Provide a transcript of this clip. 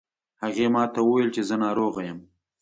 هغې ما ته وویل چې زه ناروغه یم